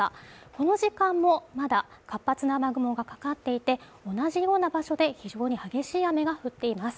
この時間もまだ活発な雨雲がかかっていて、同じような場所で非常に激しい雨が降っています